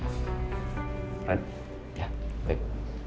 pak rendy ya baik